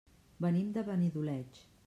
Venim de Benidoleig.